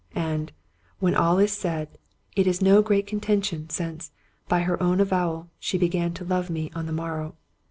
And, when all is said, it is no great contention, since, by her own avowal, she began to love me on the morrow.